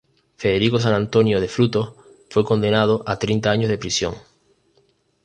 Federico San Antonio de Frutos fue condenado a treinta años de prisión.